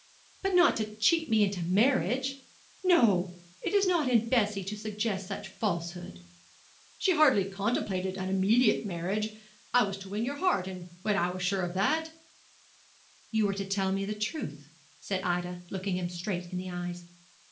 'But not to cheat me into a marriage. No; it is not in Bessie to suggest such falsehood.' 'She hardly contemplated an immediate marriage. I was to win your heart, and when I was sure of that ' 'You were to tell me the truth,' said Ida, looking him straight in the eyes.